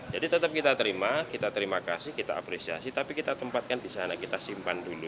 jadi tetap kita terima kita terima kasih kita apresiasi tapi kita tempatkan di sana kita simpan dulu